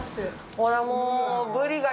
ほらもう！